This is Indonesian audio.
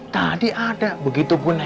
tadi ada begitu gue nengok